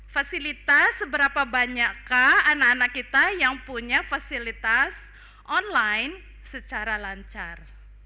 fasilitas seberapa banyakkah anak anak kita yang punya fasilitas online secara lancar